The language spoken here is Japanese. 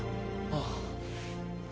ああ